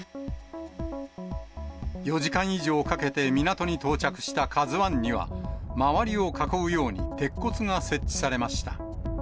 ４時間以上かけて港に到着したＫＡＺＵＩには、周りを囲うように鉄骨が設置されました。